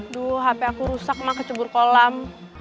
aduh hp aku rusak maka kecebur kolam